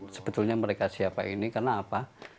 sebetulnya mereka siapa ini karena apa